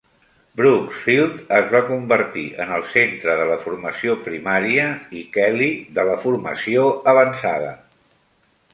Brooks Field es va convertir en el centre de la formació primària i Kelly de la formació avançada.